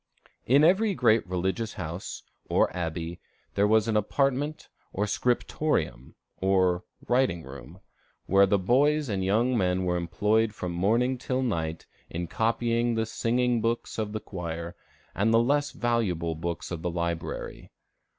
In every great religious house, or abbey, there was an apartment called the scriptorium, or writing room, where boys and young men were employed from morning till night in copying the singing books of the choir, and the less valuable books of the library.